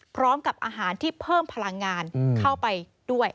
พร้อมกับอาหารที่เพิ่มพลังงานเข้าไปด้วย